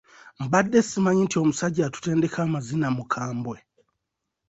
Mbadde simanyi nti omusajja atutendeka amazina mukambwe.